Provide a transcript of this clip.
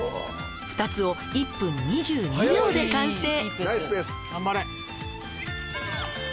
２つを１分２２秒で完成」